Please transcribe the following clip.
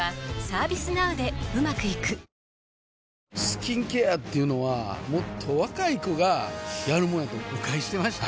スキンケアっていうのはもっと若い子がやるもんやと誤解してました